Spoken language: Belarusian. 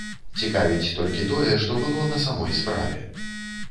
Цікавіць толькі тое, што было на самой справе.